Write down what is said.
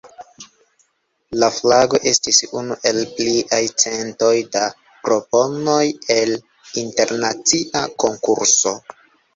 La flago estis unu el pliaj centoj da proponoj el internacia konkurso.